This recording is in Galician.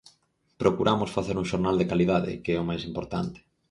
Procuramos facer un xornal de calidade, que é o máis importante.